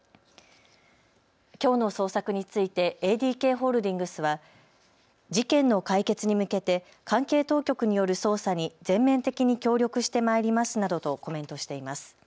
きょうの捜索についてＡＤＫホールディングスは事件の解決に向けて関係当局による捜査に全面的に協力してまいりますなどとコメントしています。